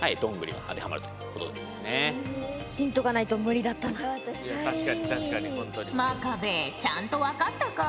真壁ちゃんと分かったか？